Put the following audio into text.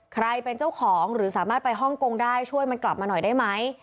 ใครเป็นเจ้าของหรือสามารถไปฮ่องกงได้ช่วยมันกลับมาหน่อยได้ไหม